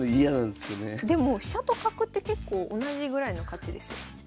でも飛車と角って結構同じぐらいの価値ですよ。